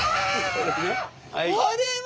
これは！